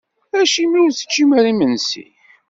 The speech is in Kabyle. Acimi ur teččim ara imensi?